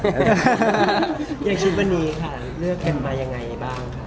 อเจมส์ยังคิดวันนี้ค่ะเลือกเข็มมายังไงบ้างค่ะ